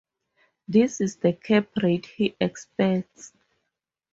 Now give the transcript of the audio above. This is the cap rate he expects.